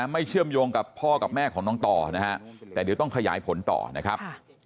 เชื่อมโยงกับพ่อกับแม่ของน้องต่อนะฮะแต่เดี๋ยวต้องขยายผลต่อนะครับ